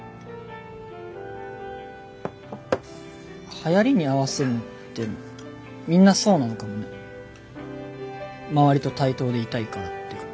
流行に合わせるのってみんなそうなのかもね周りと対等でいたいからっていうか。